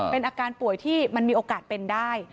เป็นอาการป่วยที่มันมีโอกาสเป็นได้